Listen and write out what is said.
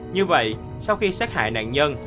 như vậy sau khi xác hại nạn nhân